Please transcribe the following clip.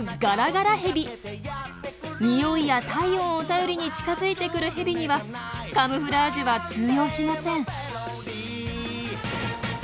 においや体温を頼りに近づいてくるヘビにはカムフラージュは通用しません。